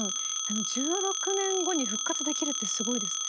１６年後に復活できるってすごいですね。